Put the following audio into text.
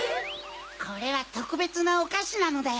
これはとくべつなおかしなのだよ。